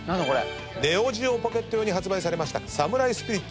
ネオジオポケット用に発売されました『サムライスピリッツ！２』です。